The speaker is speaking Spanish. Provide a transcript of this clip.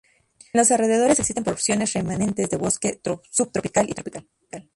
En los alrededores existen porciones remanentes de bosque subtropical y tropical.